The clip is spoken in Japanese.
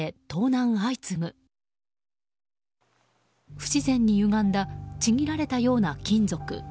不自然にゆがんだちぎられたような金属。